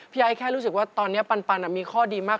ไอ้แค่รู้สึกว่าตอนนี้ปันมีข้อดีมาก